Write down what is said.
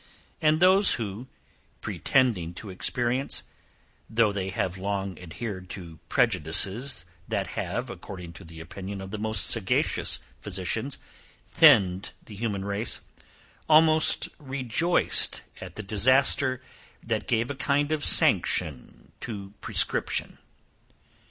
And those who, pretending to experience, though they have long adhered to prejudices that have, according to the opinion of the most sagacious physicians, thinned the human race, almost rejoiced at the disaster that gave a kind of sanction to prescription.